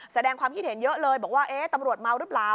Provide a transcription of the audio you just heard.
แสดงความคิดเห็นเยอะเลยบอกว่าตำรวจเมาหรือเปล่า